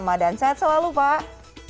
membina uangnya kalian